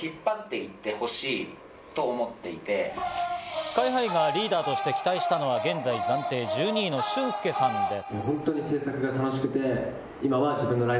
ＳＫＹ−ＨＩがリーダーとして期待したのは現在、暫定１２位のシュンスケさんです。